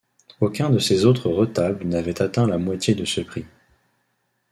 Aucun de ses autres retables n'avait atteint la moitié de ce prix.